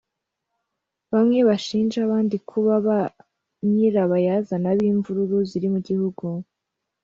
bamwe bashinja abandi kuba ba nyirabayazana b’imvururu ziri mu gihugu